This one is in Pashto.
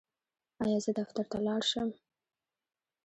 ایا زه دفتر ته لاړ شم؟